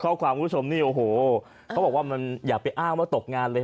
คุณผู้ชมนี่โอ้โหเขาบอกว่ามันอย่าไปอ้างว่าตกงานเลย